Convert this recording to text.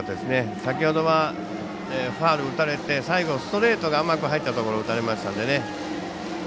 先ほどは、ファウル打たれて最後、ストレートが甘く入ったところを打たれましたので。